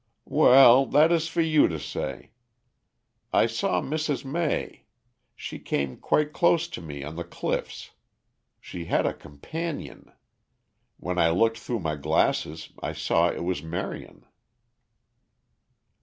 "Well, that is for you to say. I saw Mrs. May. She came quite close to me on the cliffs. She had a companion. When I looked through my glasses I saw it was Marion."